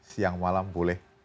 siang malam boleh